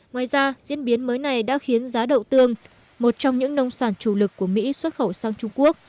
ngoài ra diễn biến mới này đã khiến giá đậu tương một trong những nông sản chủ lực của mỹ xuất khẩu sang trung quốc